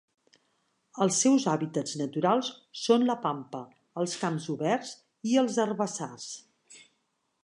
Els seus hàbitats naturals són la pampa, els camps oberts i els herbassars.